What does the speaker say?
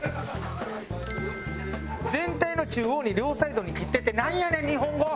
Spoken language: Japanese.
「全体の中央に両サイドに切って」ってなんやねん日本語。